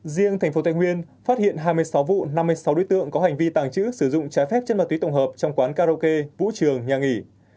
riêng thành phố thành nguyên phát hiện hai mươi sáu vụ năm mươi sáu đối tượng có hành vi tàng trữ sử dụng trái phép chân ma túy tổng hợp trong quán karaoke vụ trường nhà nghỉ